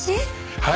はい！